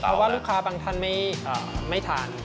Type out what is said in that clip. เพราะว่าลูกค้าบางท่านไม่ทาน